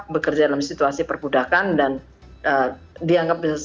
bekerja dalam situasi perbudakan dan dianggap bisa